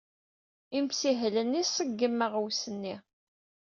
Imsihel-nni iṣeggem aɣwes-nni.